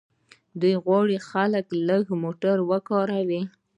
دوی غواړي خلک لږ موټر وکاروي.